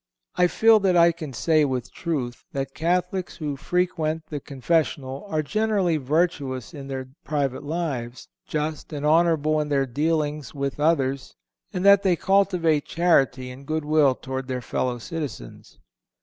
I feel that I can say, with truth, that Catholics who frequent the confessional are generally virtuous in their private lives, just and honorable in their dealings with others, and that they cultivate charity and good will toward their fellow citizens.